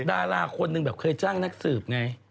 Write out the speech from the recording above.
ดาราคนหนึ่งแบบเคยจ้างนักสืบไง